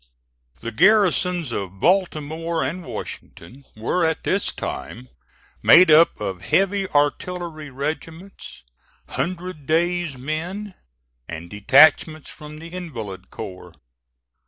The garrisons of Baltimore and Washington were at this time made up of heavy artillery regiments, hundred days' men, and detachments from the invalid corps.